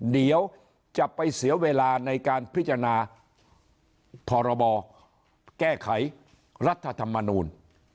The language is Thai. เดี๋ยวจะไปเสียเวลาในการพิจารณาพรบแก้ไขรัฐธรรมนูล